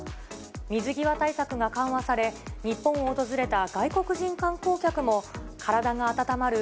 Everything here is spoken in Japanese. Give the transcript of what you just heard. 水際対策が緩和され、日本を訪れた外国人観光客も、体が温まる